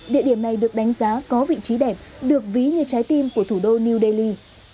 địa điểm này được đánh giá có vị trí đẹp được ví như trái tim của thủ đô new delhi